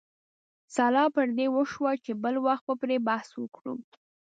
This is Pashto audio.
سلا پر دې وشوه چې بل وخت به پرې بحث وکړو.